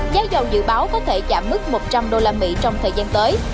giá dầu dự báo có thể chạm mức một trăm linh usd trong thời gian tới